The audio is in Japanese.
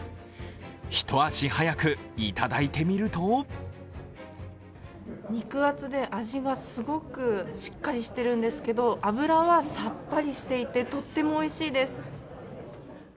一足早くいただいてみると肉厚で味がすごくしっかりしているんですけど、脂はさっぱりしていて、とってもおいしいです。